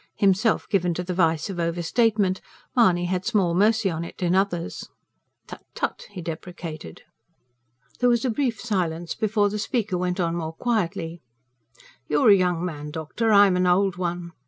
Himself given to the vice of overstatement, Mahony had small mercy on it in others. "Tut, tut!" he deprecated. There was a brief silence before the speaker went on more quietly: "You're a young man, doctor, I'm an old one."